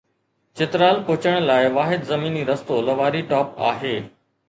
چترال پهچڻ لاءِ واحد زميني رستو لواري ٽاپ آهي.